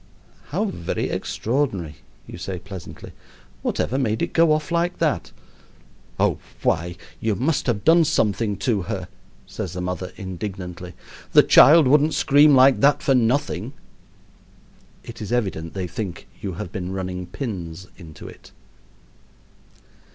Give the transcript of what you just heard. "How very extraordinary!" you say pleasantly. "Whatever made it go off like that?" "Oh, why, you must have done something to her!" says the mother indignantly; "the child wouldn't scream like that for nothing." It is evident they think you have been running pins into it.